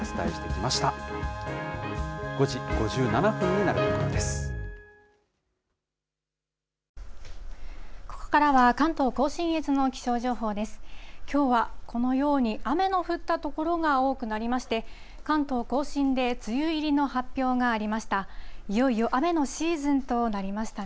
きょうはこのように、雨の降った所が多くなりまして、関東甲信で梅雨入りの発表がありました。